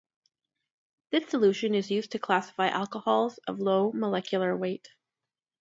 This solution is used to classify alcohols of low molecular weight.